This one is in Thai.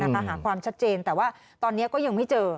หาความชัดเจนแต่ว่าตอนนี้ก็ยังไม่เจอ